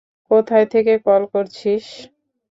কোথায় থেকে কল করছিস?